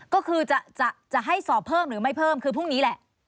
ก็คือจะให้สอบเพิ่มหรือไม่เพิ่มคือพรุ่งนี้แหละ